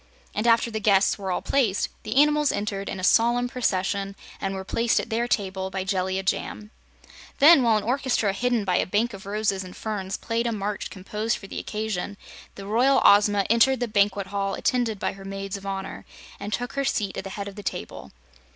And, after the guests were all placed, the animals entered in a solemn procession and were placed at their table by Jellia Jamb. Then, while an orchestra hidden by a bank of roses and ferns played a march composed for the occasion, the Royal Ozma entered the Banquet Hall, attended by her Maids of Honor, and took her seat at the head of the table.